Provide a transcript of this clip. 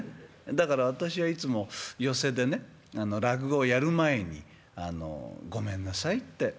だから私はいつも寄席でね落語をやる前にあの「ごめんなさい」って。